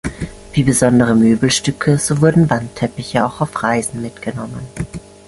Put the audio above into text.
Wie besondere Möbelstücke, so wurden Wandteppiche auch auf Reisen mitgenommen.